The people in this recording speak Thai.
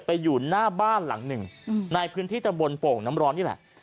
อยู่หน้าบ้านหลังหนึ่งในพื้นที่ตำบลโป่งน้ำร้อนนี่แหละ